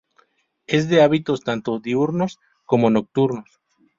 Es de hábitos tanto diurnos como nocturnos.